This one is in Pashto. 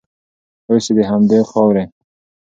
اوس یې د همدې خاورې